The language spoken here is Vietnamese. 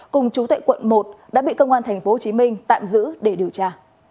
cùng chú tại quận một đã bị công an tp hcm tạm giữ để điều tra